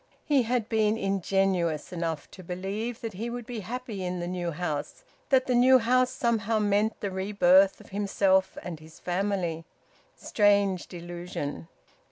He had been ingenuous enough to believe that he would be happy in the new house that the new house somehow meant the rebirth of himself and his family. Strange delusion!